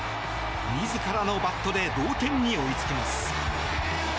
自らのバットで同点に追いつきます。